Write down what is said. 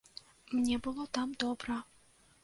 Мне было там добра.